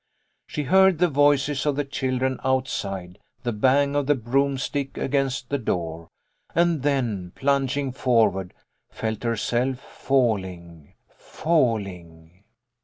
She heard the voices of the "TO BAH LEY BRIGHT," 59 children outside, the bang of the broomstick against the door, and then plunging forward, felt herself falling falling